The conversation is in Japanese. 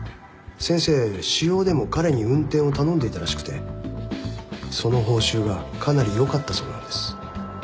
先生私用でも彼に運転を頼んでいたらしくてその報酬がかなり良かったそうなんです。